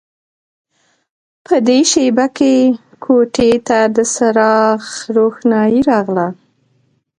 په دې شېبه کې کوټې ته د څراغ روښنايي راغله